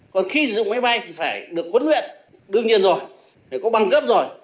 còn khi sử dụng máy bay thì phải được huấn luyện đương nhiên rồi phải có băng cấp rồi